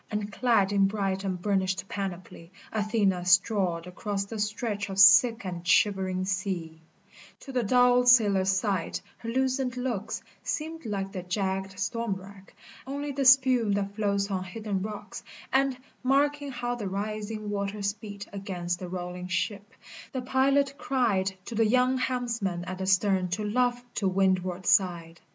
^tirt ciad in g m h t and lamiinlwl panoply Athrna strode across the ^i^t i af sick and shivering To the dull sailors' sight her Inowrrrri locks Seemed like the jagged storm rack* and her feet Only the spume mat floats an hidden rocks, And marking how the rising waters beat Against the rolling ship, the pilot cried To the young helmsman at the stern to luff to wind ward side.